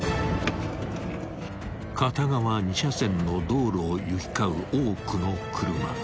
［片側２車線の道路を行き交う多くの車］